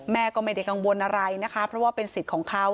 แม่ก็ไม่ได้กังวลอะไรนะคะเพราะว่าเป็นสิทธิ์ของเขา